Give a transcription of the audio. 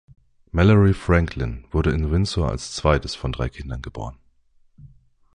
Mallory Franklin wurde in Windsor als zweites von drei Kindern geboren.